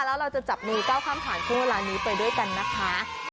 แล้วเราจะจับมือก้าวข้ามผ่านช่วงเวลานี้ไปด้วยกันนะคะ